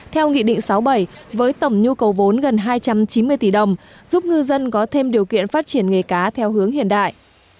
theo nghị định sáu bảy với tổng nhu cầu vốn gần hai trăm chín mươi tỷ đồng giúp ngư dân có thêm điều kiện phát triển nghề cá theo hướng hiện đại